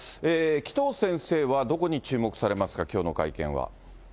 紀藤先生はどこに注目されますか、きょうの会見は。